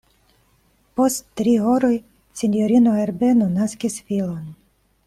Post tri horoj, sinjorino Herbeno naskis filon.